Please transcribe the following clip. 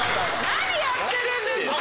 何やってるんですか！